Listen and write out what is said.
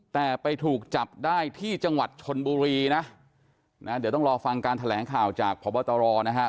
แต่ไปถูกจับได้ที่จังหวัดชนบุรีนะเดี๋ยวต้องรอฟังการแถลงข่าวจากพบตรนะครับ